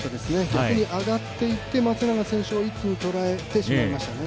逆に上がっていって、松永選手を一気に捉えてしまいましたね。